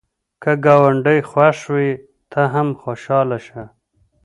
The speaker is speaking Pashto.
که ګاونډی خوښ وي، ته هم خوشحاله شه